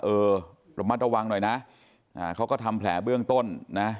เออระมัดระวังหน่อยนะเขาก็ทำแผลเบื้องต้นนะ